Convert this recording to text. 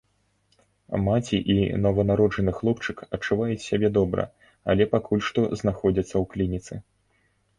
Маці і нованароджаны хлопчык адчуваюць сябе добра, але пакуль што знаходзяцца ў клініцы.